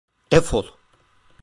Defol!